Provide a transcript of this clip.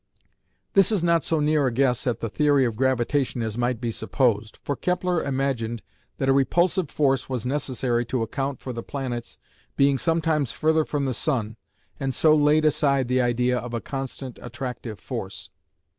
This is not so near a guess at the theory of gravitation as might be supposed, for Kepler imagined that a repulsive force was necessary to account for the planets being sometimes further from the sun, and so laid aside the idea of a constant attractive force.